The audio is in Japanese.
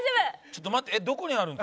ちょっと待って。